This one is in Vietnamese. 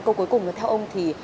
câu cuối cùng là theo ông thì